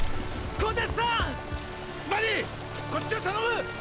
こっちを頼む！